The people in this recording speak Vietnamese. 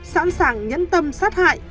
sẵn sàng nhẫn tâm sát hại